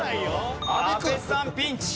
阿部さんピンチ！